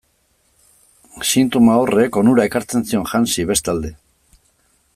Sintoma horrek onura ekartzen zion Hansi, bestalde.